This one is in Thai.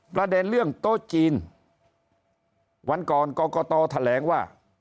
ประเด็นเรื่องโต๊ะจีนวันก่อนกรกตแถลงว่า